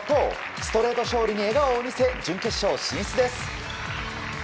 ストレート勝利に笑顔を見せ準決勝進出です。